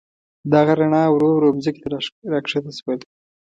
دغه رڼا ورو ورو مځکې ته راکښته شول.